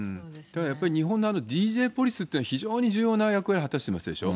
やっぱり日本のＤＪポリスっていうのは、非常に重要な役割を果たしてますでしょ。